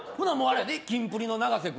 キンプリの永瀬君。